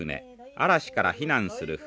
嵐から避難する船。